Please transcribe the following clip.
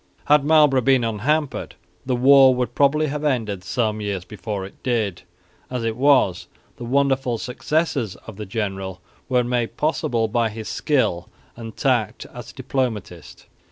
Had Marlborough been unhampered, the war would probably have ended some years before it did; as it was, the wonderful successes of the general were made possible by his skill and tact as a diplomatist.